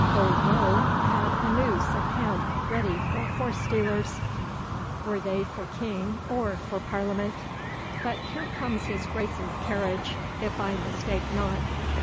Old Noll had a noose of hemp ready for horse stealers, were they for King or for Parliament. But here comes his Grace's carriage, if I mistake not.